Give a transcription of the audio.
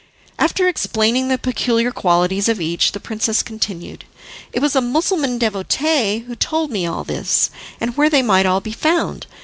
After explaining the peculiar qualities of each, the princess continued: "It was a Mussulman devotee who told me all this, and where they might all be found.